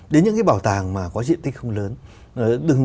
đến những cái bảo tàng mà có diện tích không lớn